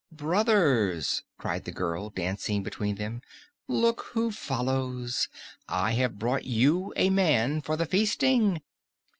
"Brothers!" cried the girl, dancing between them. "Look who follows! I have brought you a man for the feasting!